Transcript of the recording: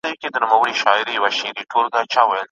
بخواست جام می و ګفت راز پوشیدن »